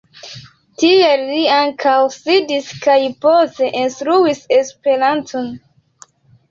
Tie li ankaŭ studis kaj poste instruis Esperanton.